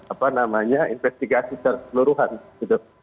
apa namanya investigasi seluruh hal ini